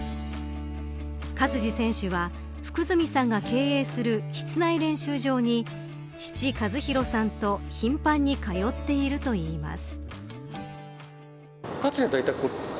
勝児選手は、福住さんが経営する室内練習場に父、和博さんと頻繁に通っているといいます。